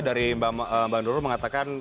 dari mbak nurul mengatakan tidak perlu meragukan